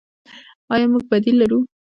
آیا موږ بدیل لرو؟